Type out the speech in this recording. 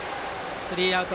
スリーアウト。